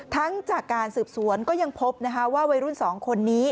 ทั้งจากการสืบสวนก็ยังพบว่าวัยรุ่น๒คนนี้